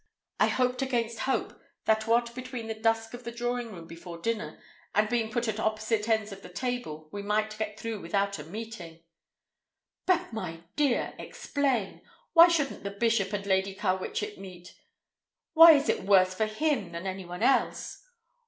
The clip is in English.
I hoped against hope that what between the dusk of the drawing room before dinner, and being put at opposite ends of the table, we might get through without a meeting—" "But, my dear, explain. Why shouldn't the bishop and Lady Carwitchet meet? Why is it worse for him than anyone else?"